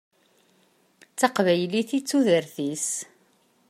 D taqbaylit i d tudert-is.